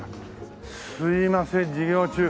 すいません授業中。